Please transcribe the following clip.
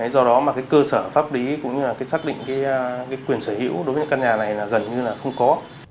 do đó mà cái cơ sở pháp lý cũng như là cái xác định quyền sở hữu đối với căn nhà này là gần như là không có